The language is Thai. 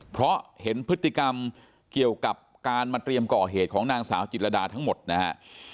เพราะเห็นพฤติกรรมเกี่ยวกับการมาเตรียมก่อเหตุของนางสาวจิตรดาทั้งหมดนะฮะ